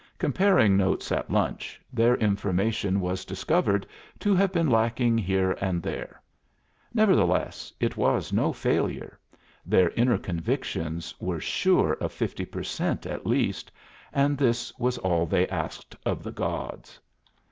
Comparing notes at lunch, their information was discovered to have been lacking here and there. Nevertheless, it was no failure; their inner convictions were sure of fifty per cent at least, and this was all they asked of the gods.